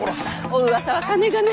おうわさはかねがね。